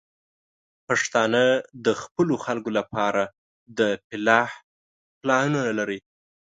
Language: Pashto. پښتانه د خپلو خلکو لپاره د فلاح پلانونه لري.